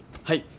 はい。